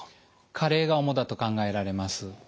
加齢が主だと考えられます。